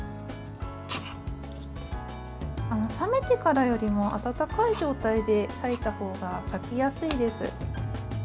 冷めてからよりも温かい状態で裂いたほうが裂きやすいです。